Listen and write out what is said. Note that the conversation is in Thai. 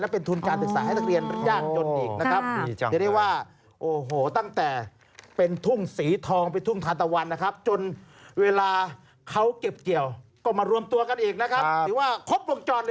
และเป็นทุนการศึกษาให้นักเรียนย่านจน